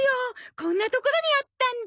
こんな所にあったんだ！